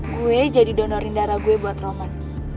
gue jadi donorin darah gue buat roman